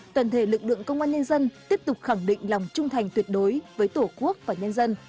toàn thể lực lượng công an nhân dân tiếp tục khẳng định lòng trung thành tuyệt đối với tổ quốc và nhân dân